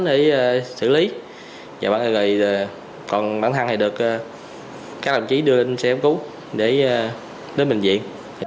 để xử lý còn bản thân thì được các đồng chí đưa lên xe giúp cứu để đến bệnh viện